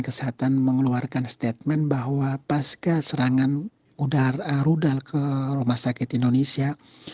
kesehatan mengeluarkan statement bahwa pasca serangan udara rudal ke rumah sakit indonesia